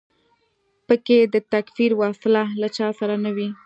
په کې د تکفیر وسله له چا سره نه وي.